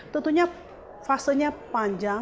tentunya fasenya panjang